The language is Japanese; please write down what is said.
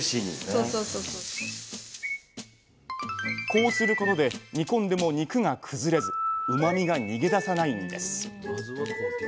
こうすることで煮込んでも肉が崩れずうまみが逃げ出さないんです。